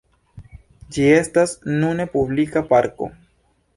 Ĝi estas nune publika parko.